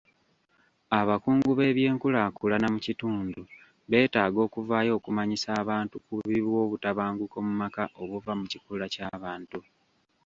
Abakungu b'ebyenkulaakulana mu kitundu beetaaga okuvaayo okumanyisa abantu ku bubi bw'obutabanguko mu maka obuva ku kikula ky'abantu.